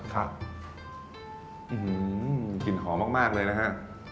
หืมมมมมมมมมกลิ่นหอมมากเลยนะฮะ